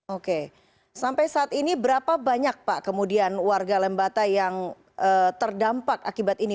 oke sampai saat ini berapa banyak pak kemudian warga lembata yang terdampak akibat ini